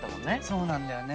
そうなんだよね。